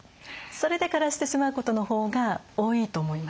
それで枯らしてしまうことの方が多いと思います。